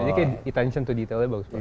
ini kayak intention to detailnya bagus banget